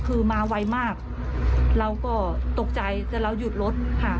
คือมาไวมากเราก็ตกใจแต่เราหยุดรถค่ะ